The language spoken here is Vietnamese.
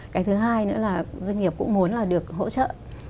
cái thứ hai nữa là doanh nghiệp cũng muốn là được hỗ trợ